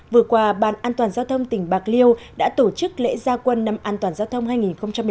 vừa qua ban an toàn giao thông tỉnh bạc liêu đã tổ chức lễ gia quân năm an toàn giao thông hai nghìn một mươi chín